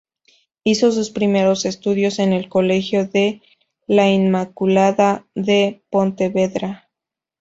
Hizo sus primeros estudios en el Colegio de la Inmaculada de Pontevedra.